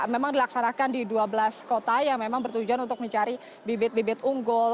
memang dilaksanakan di dua belas kota yang memang bertujuan untuk mencari bibit bibit unggul